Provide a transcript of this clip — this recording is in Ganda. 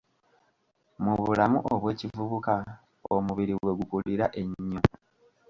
Mu bulamu obw'ekivubuka omubiri we gukulira ennyo.